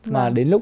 mà đến lúc